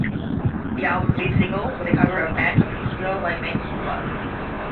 The album's lead single was a cover of Bad Company's "Feel Like Makin' Love".